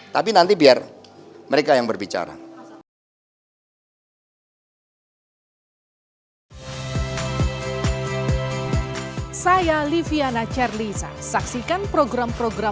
tapi nanti biar mereka yang berbicara